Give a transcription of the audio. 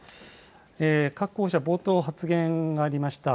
各候補者、冒頭発言がありました。